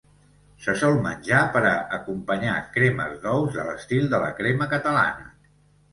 Se sol menjar per a acompanyar cremes d'ous de l'estil de la crema catalana.